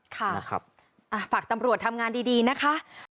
ฝากตำรวจทำงานดีนะคะ